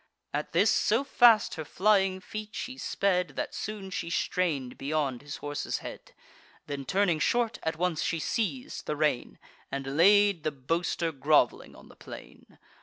At this, so fast her flying feet she sped, That soon she strain'd beyond his horse's head: Then turning short, at once she seiz'd the rein, And laid the boaster grov'ling on the plain.